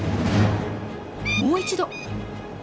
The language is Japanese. もう一度。